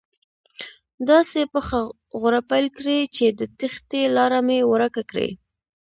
داسې پخه غوره پیل کړي چې د تېښتې لاره مې ورکه کړي.